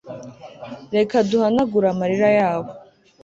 Reka duhanagure amarira yabo